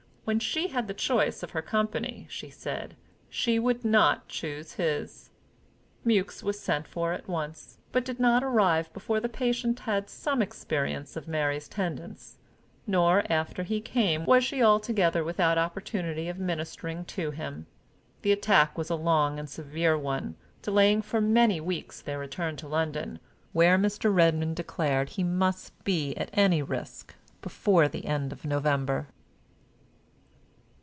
When she had the choice of her company, she said, she would not choose his. Mewks was sent for at once, but did not arrive before the patient had had some experience of Mary's tendance; nor, after he came, was she altogether without opportunity of ministering to him. The attack was a long and severe one, delaying for many weeks their return to London, where Mr. Redmain declared he must be, at any risk, before the end of November.